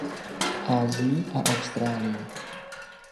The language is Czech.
Asii a Austrálii.